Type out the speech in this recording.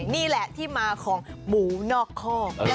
นี่แหละที่มาของหมูนอกคอก